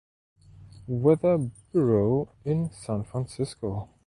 Weather Bureau in San Francisco.